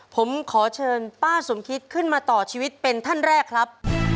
ผมขอเชิญป้าสมคิดขึ้นมาต่อชีวิตเป็นท่านแรกครับ